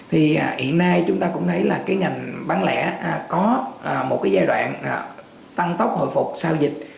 thì hiện nay chúng ta cũng thấy là cái ngành bán lẻ có một cái giai đoạn tăng tốc hồi phục sau dịch